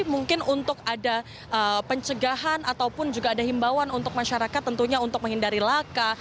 mungkin untuk ada pencegahan ataupun juga ada himbawan untuk masyarakat tentunya untuk menghindari laka